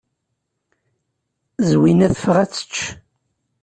Zwina teffeɣ ad tečč.